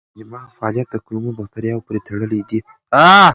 د دماغ فعالیت د کولمو بکتریاوو پورې تړلی دی.